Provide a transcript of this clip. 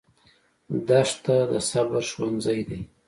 دښته د صبر ښوونځی دی.